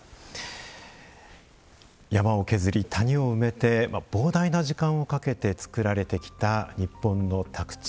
山を削り谷を埋めて膨大な時間をかけて造られてきた日本の宅地。